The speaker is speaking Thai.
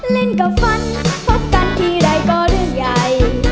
เล่นกับฟันพบกันทีไรก็เรื่องใหญ่